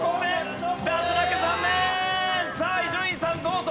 さあ伊集院さんどうぞ。